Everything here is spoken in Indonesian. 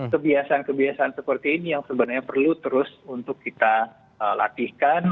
kebiasaan kebiasaan seperti ini yang sebenarnya perlu terus untuk kita latihkan